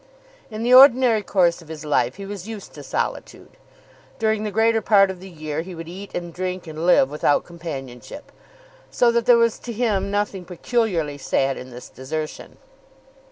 In the ordinary course of his life he was used to solitude. During the greater part of the year he would eat and drink and live without companionship; so that there was to him nothing peculiarly sad in this desertion.